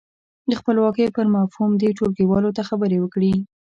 د خپلواکۍ پر مفهوم دې ټولګیوالو ته خبرې وکړي.